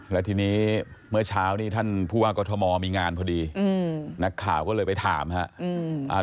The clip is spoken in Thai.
แล้วทีนี้เมื่อเช้านี่ท่านผู้ว่ากอทมมีงานพอดีนักข่าวก็เลยไปถามครับ